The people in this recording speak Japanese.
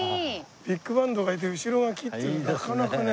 ビッグバンドがいて後ろが木っていうのはなかなかね。